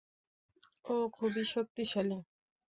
ও খুবই শক্তিশালী।